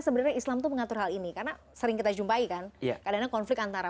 sebenarnya islam tuh mengatur hal ini karena sering kita jumpai kan kadang konflik antara